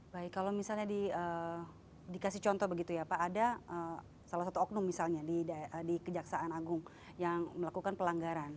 baik kalau misalnya dikasih contoh begitu ya pak ada salah satu oknum misalnya di kejaksaan agung yang melakukan pelanggaran